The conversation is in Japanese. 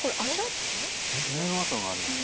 爪の跡があるよね。